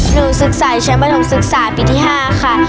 หนูศึกษาชั้นประถมศึกษาปีที่๕ค่ะ